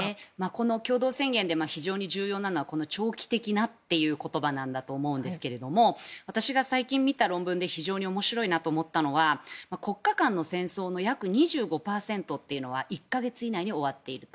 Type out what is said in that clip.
この共同宣言で非常に重要なのは長期的なという言葉なんだと思うんですが私が最近見た論文で非常に面白いなと思ったのは国家間の戦争の約２５％というのは１か月以内に終わっていると。